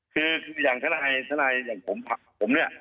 คืออย่างทนายอย่างผมเนี่ย